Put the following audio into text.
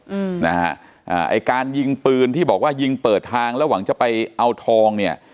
อืมนะฮะอ่าไอ้การยิงปืนที่บอกว่ายิงเปิดทางแล้วหวังจะไปเอาทองเนี่ย